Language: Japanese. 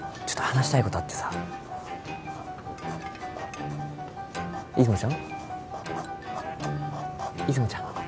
ちょっと話したいことあってさ出雲ちゃん？